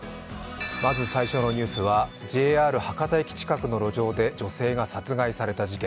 まず最初のニュースはＪＲ博多駅近くの路上で女性が殺害された事件。